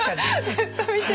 ずっと見てられる。